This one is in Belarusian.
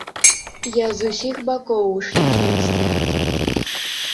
Я з усіх бакоў у шляхецтве.